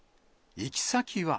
行き先は。